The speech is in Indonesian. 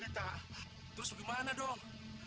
terus bagaimana dong